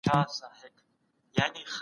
آیا غواړئ نور څه وپوښتئ؟